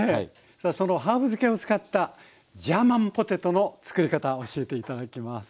そのハーブ漬けを使ったジャーマンポテトの作り方教えて頂きます。